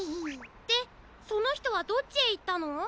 でそのひとはどっちへいったの？